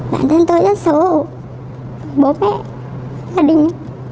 bản thân tôi rất xấu hổ bố mẹ gia đình